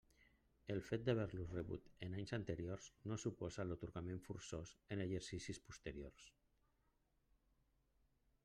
El fet d'haver-lo rebut en anys anteriors no suposa l'atorgament forçós en exercicis posteriors.